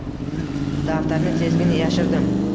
Daftarni tezgina yashirdim